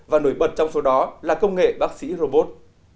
và nổi bật trong số đó là công nghệ bác sĩ robot